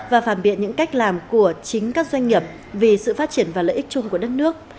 và phản biện những cách làm của chính các doanh nghiệp vì sự phát triển và lợi ích chung của đất nước